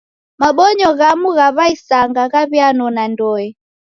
Mabonyo ghamu gha w'aisanga ghaw'ianona ndoe.